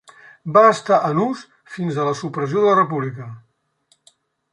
Va estar en ús fins a la supressió de la República.